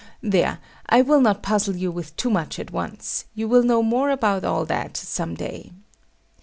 There, I will not puzzle you with too much at once; you will know more about all that some day.